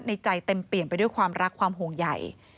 ใจเต็มเปี่ยมไปด้วยความรักความห่วงใหญ่